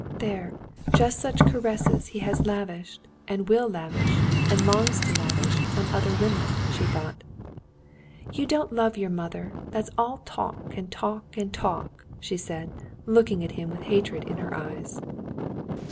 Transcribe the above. "There, just such caresses he has lavished, and will lavish, and longs to lavish on other women!" she thought. "You don't love your mother. That's all talk, and talk, and talk!" she said, looking at him with hatred in her eyes.